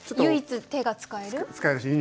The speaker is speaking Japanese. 唯一手が使える。